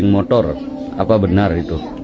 motor apa benar itu